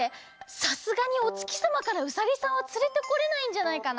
さすがにおつきさまからウサギさんはつれてこれないんじゃないかな？